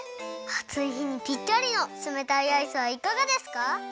あついひにぴったりのつめたいアイスはいかがですか？